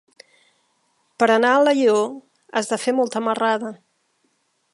Per anar a Alaior has de fer molta marrada.